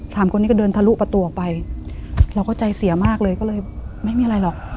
สามคนนี้ก็เดินทะลุประตูออกไปเราก็ใจเสียมากเลยก็เลยไม่มีอะไรหรอก